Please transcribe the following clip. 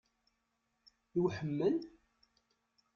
I uḥemmel?